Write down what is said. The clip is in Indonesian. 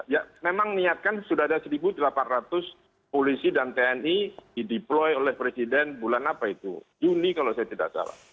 ya memang niatkan sudah ada satu delapan ratus polisi dan tni di deploy oleh presiden bulan apa itu juni kalau saya tidak salah